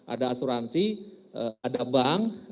ada asuransi ada bank